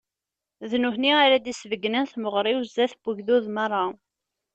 D nutni ara d-isbeggnen temɣer-iw zdat n ugdud meṛṛa.